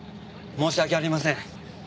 申し訳ありません。